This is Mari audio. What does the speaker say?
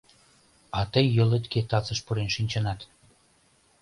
А тый йолетге тазыш пурен шинчынат.